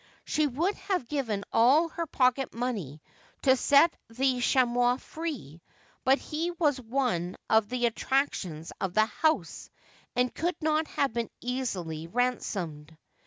She would have given all her pocket money to set the cha mois free ; but he was one of the attractions of the house, and could not have been easily ransomed.